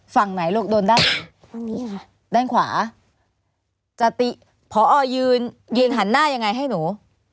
ฝั่งไหนลูกโดนด้านฝั่งนี้ค่ะด้านขวาจติพอยืนยืนหันหน้ายังไงให้หนู